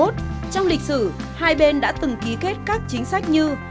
trong lịch sử hai bên đã từng ký kết các chính sách như